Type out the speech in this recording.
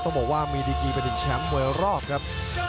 ต้องบอกว่ามีดีกีเป็นหนึ่งแชมป์มวยรอบครับ